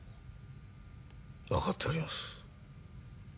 分かっております。